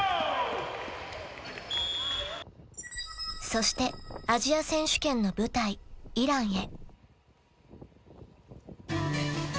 ［そしてアジア選手権の舞台イランへ］